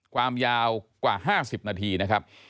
ความยาวกว่า๕๐นาทีนะครับ